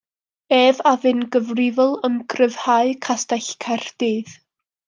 Ef a fu'n gyfrifol am gryfhau Castell Caerdydd.